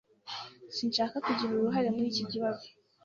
Sinshaka kugira uruhare muri iki kibazo.